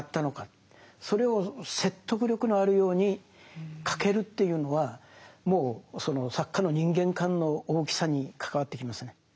それを説得力のあるように書けるというのはもうその作家の人間観の大きさに関わってきますね。